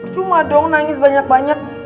cuma dong nangis banyak banyak